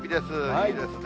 いいですね。